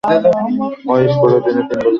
এই স্কুলে তিনি তিন বছর পড়েন।